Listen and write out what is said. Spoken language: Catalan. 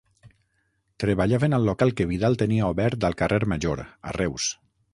Treballaven al local que Vidal tenia obert al carrer Major, a Reus.